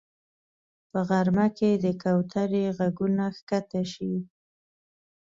په غرمه کې د کوترې غږونه ښکته شي